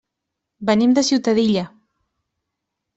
Venim de Ciutadilla.